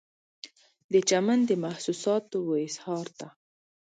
د چمن د محسوساتو و اظهار ته